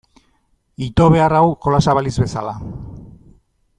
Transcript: Ito behar hau jolasa balitz bezala.